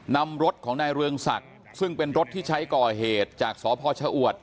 นำรถของนายเรืองศักดิ์ซึ่งเป็นรถที่ใช้ก่อเหตุจากสพชะอวด